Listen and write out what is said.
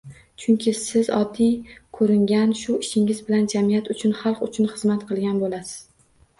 Chunki siz oddiy koʻringan shu ishingiz bilan jamiyat uchun, xalq uchun xizmat qilgan boʻlasiz